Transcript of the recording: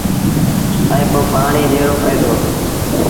ائيٚݩ پو پآڻيٚ ڏيڻون پئي دو۔